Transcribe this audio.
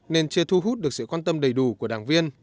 nên chưa thu hút được sự quan tâm đầy đủ của đảng viên